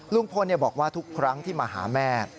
ลุงพลบอกว่าทุกครั้งที่มาหาแม่